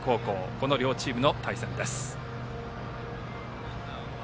この両チームの対戦です。